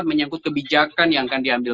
menyangkut kebijakan yang akan diambil